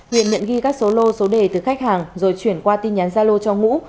huyền nhận ghi các số lô số đề từ khách hàng rồi chuyển qua tin nhắn gia lô cho ngũ